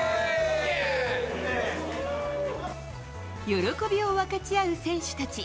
喜びを分かち合う選手たち。